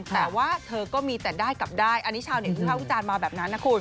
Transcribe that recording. แต่ว่าเธอก็มีแต่ได้กับได้อันนี้ชาวเน็ตวิภาควิจารณ์มาแบบนั้นนะคุณ